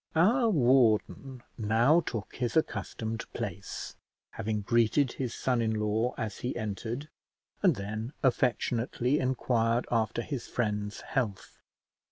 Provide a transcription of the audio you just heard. Our warden now took his accustomed place, having greeted his son in law as he entered, and then affectionately inquired after his friend's health.